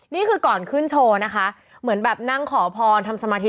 นี่คือก่อนขึ้นโชว์นะคะเหมือนแบบนั่งขอพรทำสมาธิ